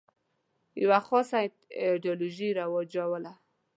یوه خاصه ایدیالوژي رواجوله.